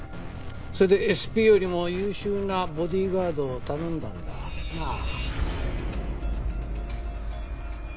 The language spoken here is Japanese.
それでＳＰよりも優秀なボディーガードを頼んだんだ。なあ？